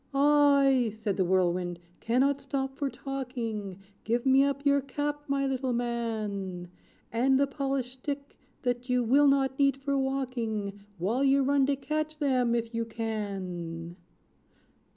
"I," said the Whirlwind, "cannot stop for talking! Give me up your cap, my little man; And the polished stick, that you will not need for walking. While you run to catch them, if you can!